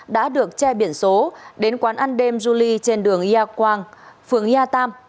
đã được che biển số đến quán ăn đêm julie trên đường nga quang phường nga tam